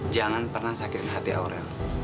jangan pernah sakit hati aurel